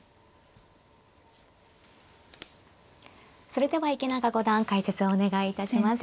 それでは池永五段解説をお願いいたします。